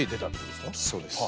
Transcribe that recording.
そうです。